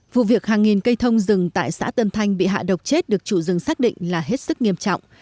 vụ việc hàng nghìn cây thông rừng tại xã tân thanh bị hạ độc chết được chủ rừng xác định là hết sức nghiêm trọng